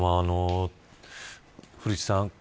古市さん